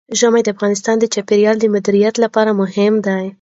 ژمی د افغانستان د چاپیریال د مدیریت لپاره مهم دي.